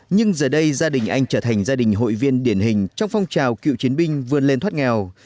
nhưng giờ đây gia đình anh trở thành gia đình hội viên điển hình trong phong trào cựu chiến binh vươn lên thoát nghèo